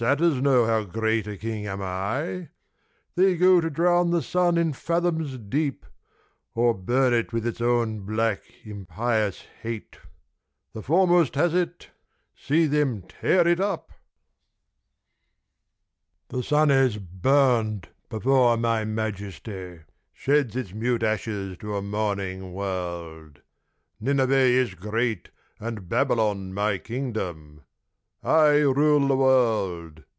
know h i Kiiil; am I : They go to drown the Sun in fathoms deep, ( >r burn it with its own bU\( k impious hate. The : tear it up '' 54 Nebuchadnezzar the King. ' The Sun is burnt before my majesty — Sheds its mute ashes to a mourning world. Nineveh is great and Babylon my Kingdom. I rule the world.